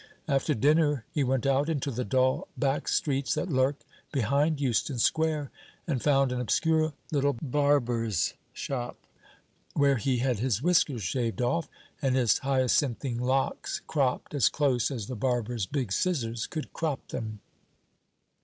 After dinner he went out into the dull back streets that lurk behind Euston Square, and found an obscure little barber's shop, where he had his whiskers shaved off, and his hyacinthine locks cropped as close as the barber's big scissors could crop them.